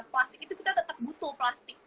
plastik itu kita tetap butuh plastik